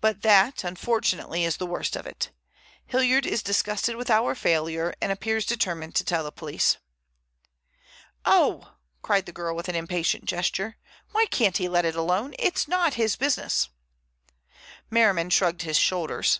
But that, unfortunately, is the worst of it. Hilliard is disgusted with our failure and appears determined to tell the police." "Oh!" cried the girl with an impatient gesture. "Why can't he let it alone? It's not his business." Merriman shrugged his shoulders.